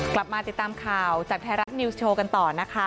กลับมาติดตามข่าวจากไทยรัฐนิวส์โชว์กันต่อนะคะ